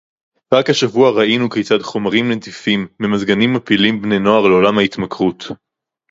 רק השבוע ראינו כיצד חומרים נדיפים ממזגנים מפילים בני נוער לעולם ההתמכרות